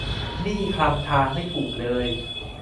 นี่คลำทางไม่ถูกเลย